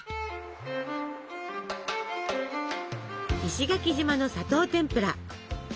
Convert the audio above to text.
石垣島の砂糖てんぷら。